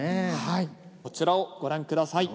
こちらをご覧下さい。